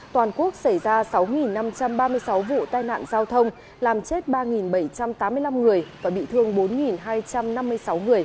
toàn quốc xảy ra sáu năm trăm ba mươi sáu vụ tai nạn giao thông làm chết ba bảy trăm tám mươi năm người và bị thương bốn hai trăm năm mươi sáu người